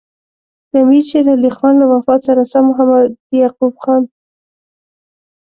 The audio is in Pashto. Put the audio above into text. د امیر شېر علي خان له وفات سره سم محمد یعقوب خان.